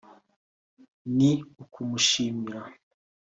ni ukumushimira